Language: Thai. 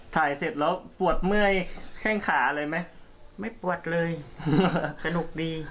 เสร็จแล้วปวดเมื่อยแข้งขาเลยไหมไม่ปวดเลยสนุกดี